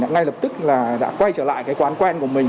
ngay lập tức là đã quay trở lại cái quán quen của mình